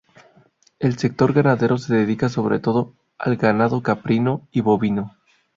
El sector ganadero se dedica sobre todo al ganado caprino y bovino.